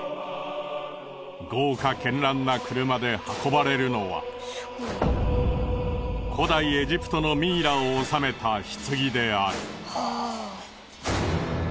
豪華絢爛な車で運ばれるのは古代エジプトのミイラを納めた棺である。